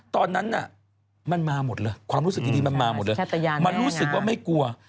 ตอนนั้นน่ะมันมาหมดเลยความรู้สึกดีมันมาหมดเลยมันรู้สึกว่าไม่กลัว